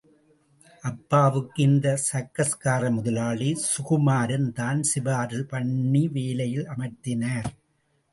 அப்பாவுக்கு இந்த சர்க்கஸ்கார முதலாளி சுகுமாரன்தான் சிபாரிசு பண்ணி வேலையில் அமர்த்தினார்.